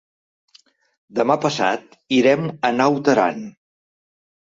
Demà passat irem a Naut Aran.